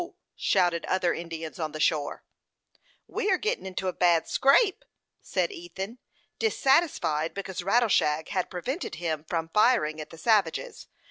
shouted other Indians on the shore. "We are gittin' into a bad scrape," said Ethan, dissatisfied because Rattleshag had prevented him from firing at the savages.